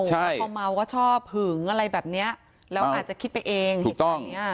ใช่เขาเมาก็ชอบหึงอะไรแบบเนี้ยแล้วอาจจะคิดไปเองถูกต้อง